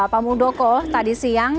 pak muldoko tadi siang